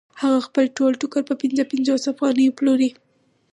هغه خپل ټول ټوکر په پنځه پنځوس افغانیو پلوري